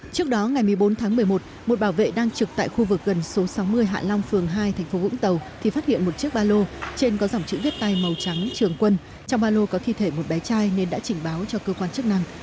trước đó ngày một mươi bốn tháng một mươi một một bảo vệ đang trực tại khu vực gần số sáu mươi hạ long phường hai thành phố vũng tàu thì phát hiện một chiếc ba lô trên có dòng chữ viết tay màu trắng trường quân trong ba lô có thi thể một bé trai nên đã chỉnh báo cho cơ quan chức năng